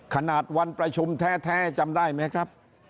ขนาดวันประชุมแท้จำได้ไหมครับ